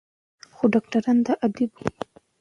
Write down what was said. خو ډاکټران دا عادي بولي.